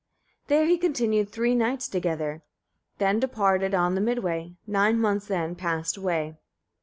6. There he continued three nights together, then departed on the mid way. Nine months then passed way.